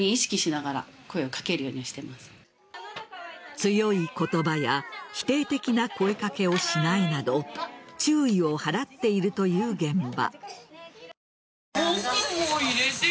強い言葉や否定的な声掛けをしないなど注意を払っているという現場。